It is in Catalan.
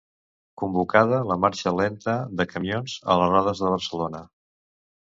Convocada la marxa lenta de camions a les rondes de Barcelona.